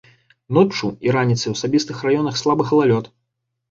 Ноччу і раніцай у асобных раёнах слабы галалёд.